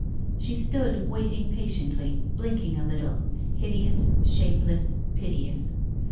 She stood, waiting patiently, blinking a little, hideous, shapeless, piteous.